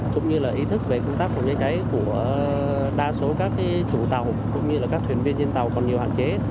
cũng như là ý thức về công tác phòng cháy cháy của đa số các chủ tàu cũng như là các thuyền viên trên tàu còn nhiều hạn chế